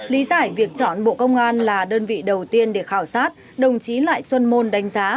lý giải việc chọn bộ công an là đơn vị đầu tiên để khảo sát đồng chí lại xuân môn đánh giá